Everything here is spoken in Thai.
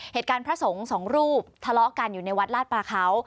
เหตุการณ์พระสงส์สองรูปทะเลาะกันอยู่ในวัดลาดปลาเขา